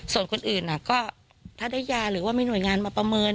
ส่วนคนอื่นก็ถ้าได้ยาหรือว่ามีหน่วยงานมาประเมิน